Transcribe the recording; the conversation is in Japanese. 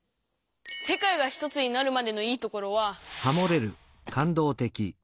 「世界がひとつになるまで」の「いいところ」は。